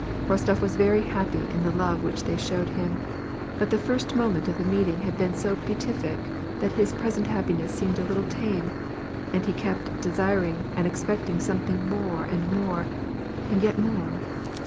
Rostof was very happy in the love which they showed him, but the first moment of the meeting had been so beatific that his present happiness «eemed a little tame, and he kept desir ing and expecting something more and more, and yet more.